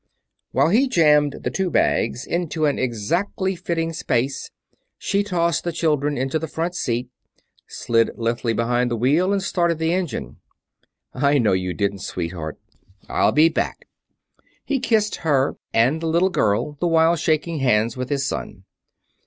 While he jammed the two bags into an exactly fitting space, she tossed the children into the front seat, slid lithely under the wheel, and started the engine. "I know you didn't, sweetheart. I'll be back." He kissed her and the little girl, the while shaking hands with his son.